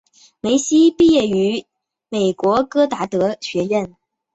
梅西毕业于美国戈达德学院。